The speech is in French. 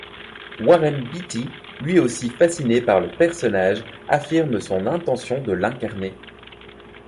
Warren Beatty, lui aussi fasciné par le personnage, affirme son intention de l'incarner.